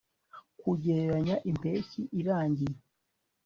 Kugereranya impeshyi irangiye